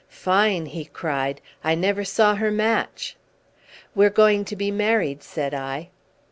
"Fine!" he cried; "I never saw her match!" "We're going to be married," said I.